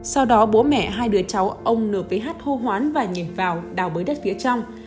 sau đó bố mẹ hai đứa cháu ông n v h hô hoán và nhẹp vào đào bới đất phía trong